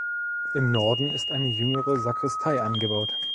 Im Norden ist eine jüngere Sakristei angebaut.